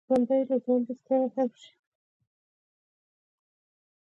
کروندګر د ژوند د ټولو ستونزو سره مقابله کوي